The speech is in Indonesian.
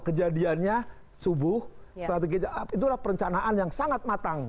kejadiannya subuh strategi itulah perencanaan yang sangat matang